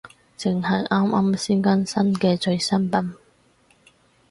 正係啱啱先更新嘅最新版